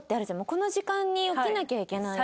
この時間に起きなきゃいけない。